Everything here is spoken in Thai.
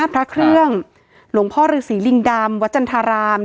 พระเครื่องหลวงพ่อฤษีลิงดำวัดจันทราราม